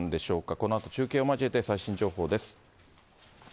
このあと中継を交えて最新情報です。